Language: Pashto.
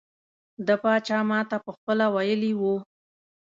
د پاچا ماته پخپله ویلي وو.